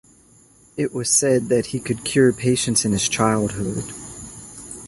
It was said that he could cure patients in his childhood.